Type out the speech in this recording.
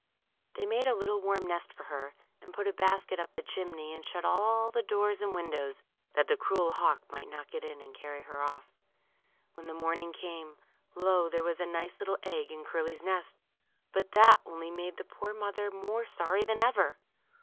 They made a little warm nest for her^ and put a basket up the chimney, and shut all the doors and windows, that the cruel hawk might not get in and carry 'her off. When the morning came, lo, there was a nice little egg in Curly's nest ! But that only made the poor mother more sorry than ever.